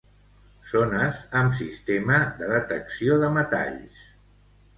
Zones amb sistema de detecció de metalls.